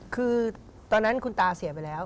คือตอนนั้นคุณตาเสียไปแล้ว